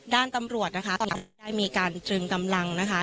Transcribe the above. ด้านตำรวจนะคะได้มีการตรึงกำลังนะคะ